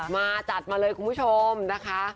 มาจัดมาเลยคุณผู้ชมนะคะ